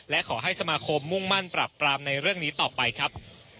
และขอให้สมาคมมุ่งมั่นปรับปรามในเรื่องนี้ต่อไปครับ